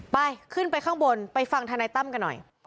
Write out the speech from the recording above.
ไปขึ้นไปข้างบนไปฟังธนายตั้มกันหน่อย